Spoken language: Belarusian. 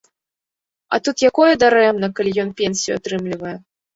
А тут якое дарэмна, калі ён пенсію атрымлівае.